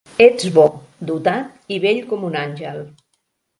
Ets bo, dotat i bell com un àngel.